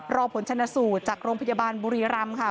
รอผลชนสูตรจากโรงพยาบาลบุรีรำค่ะ